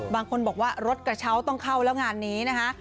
บางคนบอกว่ารถกระเช้าต้องเข้าแล้วงานนี้นะคะ